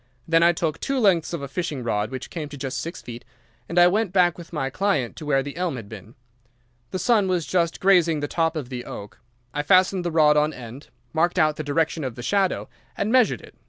Then I took two lengths of a fishing rod, which came to just six feet, and I went back with my client to where the elm had been. The sun was just grazing the top of the oak. I fastened the rod on end, marked out the direction of the shadow, and measured it.